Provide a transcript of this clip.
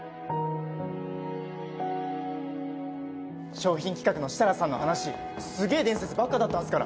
商品企画の設楽さんの話すげえ伝説ばっかだったんすから。